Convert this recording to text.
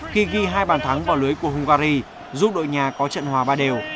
khi ghi hai bàn thắng vào lưới của hungary giúp đội nhà có trận hòa ba đều